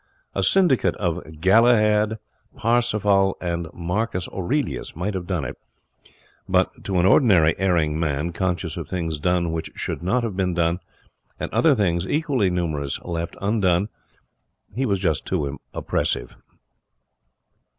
A syndicate of Galahad, Parsifal, and Marcus Aurelius might have done it, but to an ordinary erring man, conscious of things done which should not have been done, and other things equally numerous left undone, he was too oppressive.